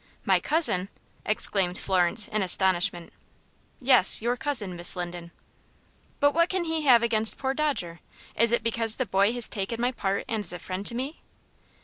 "My cousin!" exclaimed Florence, in astonishment. "Yes, your cousin, Miss Linden." "But what can he have against poor Dodger! Is it because the boy has taken my part and is a friend to me?"